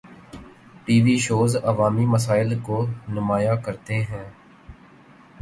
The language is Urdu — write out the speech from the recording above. ٹی وی شوز عوامی مسائل کو نمایاں کرتے ہیں۔